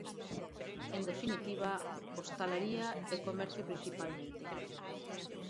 En definitiva, hostalería e comercio principalmente.